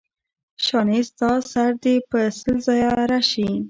شانې ستا سر دې په سل ځایه اره شي.